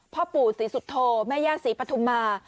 พ่อปู่ศรีสุโธแม่ย่าศรีปฐุมา